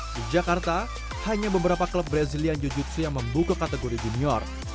di jakarta hanya beberapa klub brazilian jiu jitsu yang membuka kategori junior